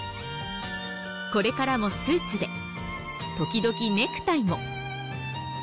これからもスーツでときどきネクタイも。